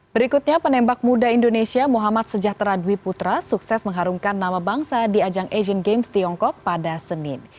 berikutnya penembak muda indonesia muhammad sejahtera dwi putra sukses mengharumkan nama bangsa di ajang asian games tiongkok pada senin